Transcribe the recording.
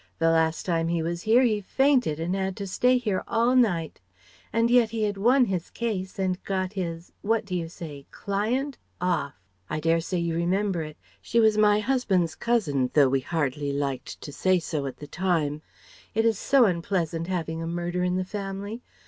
The last time he was here he fainted and had to stay here all night. "And yet he had won his case and got his what do you say? client? off I dare say you remember it? She was my husband's cousin though we hardly liked to say so at the time: it is so unpleasant having a murder in the family.